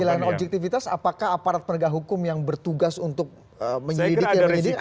yang kehilangan objektifitas apakah aparat penegak hukum yang bertugas untuk menyelidiki dan menyelidiki